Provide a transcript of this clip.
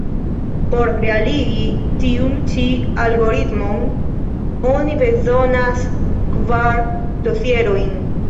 Por realigi tiun ĉi algoritmon, oni bezonas kvar dosierojn.